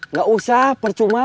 nggak usah percuma